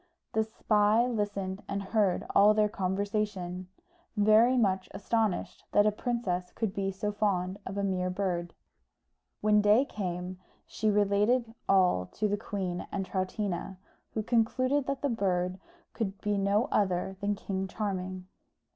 The spy listened and heard all their conversation, very much astonished that a princess could be so fond of a mere bird. When day came she related all to the queen and Troutina, who concluded that the bird could be no other than King Charming.